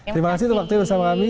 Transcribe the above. terima kasih waktu itu bersama kami